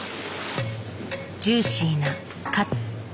ジューシーなカツ。